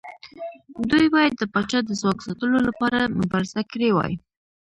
دوی باید د پاچا د ځواک ساتلو لپاره مبارزه کړې وای.